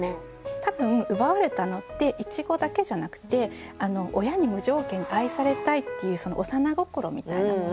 多分奪われたのっていちごだけじゃなくて親に無条件に愛されたいっていう幼心みたいなもの。